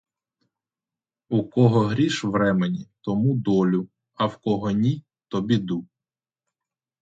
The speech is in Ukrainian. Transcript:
У кого гріш у ремені, тому долю, а у кого ні, то біду.